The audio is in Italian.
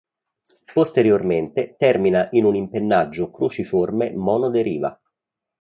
Posteriormente termina in un impennaggio cruciforme monoderiva.